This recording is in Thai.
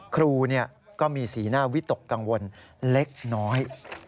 ครูก็มีสีหน้าวิตกกังวลเล็กน้อย